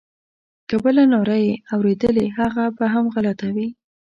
که بله ناره یې اورېدلې هغه به هم غلطه وي.